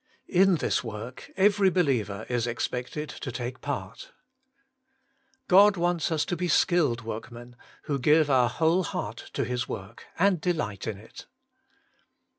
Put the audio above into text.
2. In this work ever}' believer is expected to take part. 3. God wants us to be skilled workmen, who give our whole heart to His work, and delight in it.